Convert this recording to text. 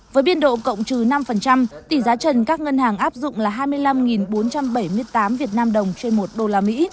với biên độ cộng trừ năm tỷ giá trần các ngân hàng áp dụng là hai mươi năm bốn trăm bảy mươi tám việt nam đồng trên một đô la mỹ